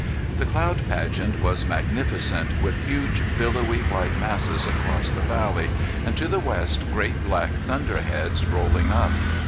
The cloud pageant was magnificent, with huge billowy white masses across the valley, and to the west great black thunderheads rolling up.